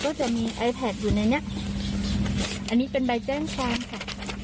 ก็จะมีไอแพทอยู่ในเนี้ยอันนี้เป็นใบแจ้งความค่ะ